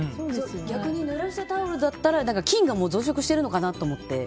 逆に濡らしたタオルだったら菌が増殖してるのかなと思って。